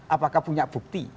apakah punya bukti